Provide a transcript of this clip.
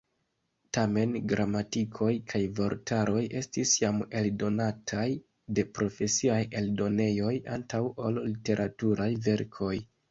Tamen gramatikoj kaj vortaroj estis jam eldonataj de profesiaj eldonejoj antaŭ ol literaturaj verkoj.